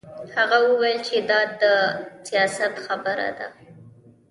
هغه وویل چې دا د سیاست خبره ده